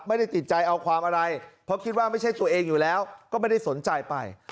ไม่ได้ติดใจเอาความอะไรเพราะคิดว่าไม่ใช่ตัวเองอยู่แล้วก็ไม่ได้สนใจไป